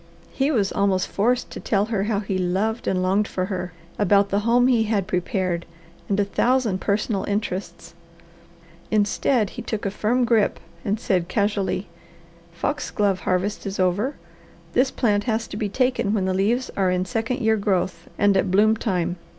He was almost forced to tell her how he loved and longed for her; about the home he had prepared; of a thousand personal interests. Instead, he took a firm grip and said casually, "Foxglove harvest is over. This plant has to be taken when the leaves are in second year growth and at bloom time.